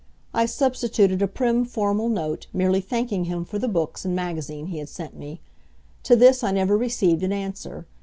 I substituted a prim formal note, merely thanking him for the books and magazine he had sent me. To this I never received an answer.